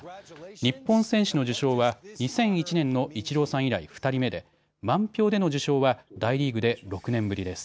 日本選手の受賞は２００１年のイチローさん以来２人目で満票での受賞は大リーグで６年ぶりです。